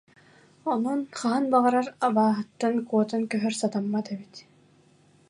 Онон хаһан баҕарар абааһыттан куотан көһөр сатаммат эбит